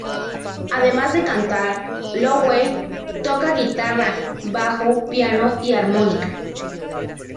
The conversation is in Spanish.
Además de cantar, Lowe toca guitarra, bajo, piano y armónica.